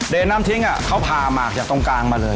น้ำทิ้งเขาผ่าหมากจากตรงกลางมาเลย